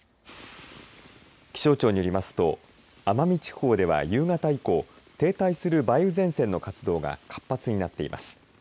気象庁によりますと奄美地方では夕方以降停滞する梅雨前線の活動が活発になっています。